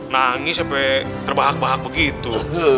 nangis sampai terbahak bahak begitu